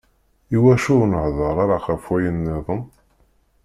Iwacu ur nhedder ara ɣef ayen nniḍen?